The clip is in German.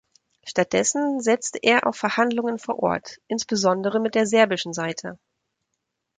Stattdessen setzte er auf Verhandlungen vor Ort, insbesondere mit der serbischen Seite.